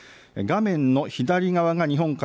画面の左側が日本海